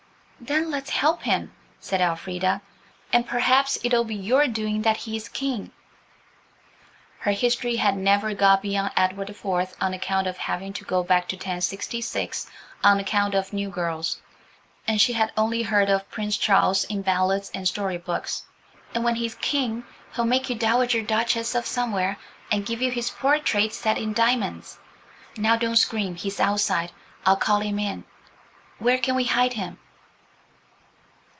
"Then let's help him," said Elfrida, "and perhaps it'll be your doing that he is King." Her history had never got beyond Edward the Fourth on account of having to go back to 1066 on account of new girls, and she had only heard of Prince Charlie in ballads and story books. "And when he's King he'll make you dowager duchess of somewhere and give you his portrait set in diamonds. Now don't scream. He's outside. I'll call him in. Where can we hide him?"